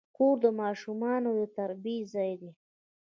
کور د ماشومانو د تربیې ځای دی.